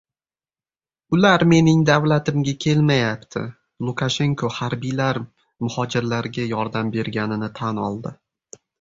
“Ular mening davlatimga kelmayapti”. Lukashenko harbiylar muhojirlarga yordam berganini tan oldi